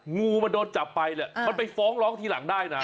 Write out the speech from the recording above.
งูมันโดนจับไปเนี่ยมันไปฟ้องร้องทีหลังได้นะ